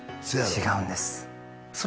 違うんですそれ